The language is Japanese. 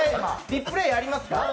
リプレーありますか？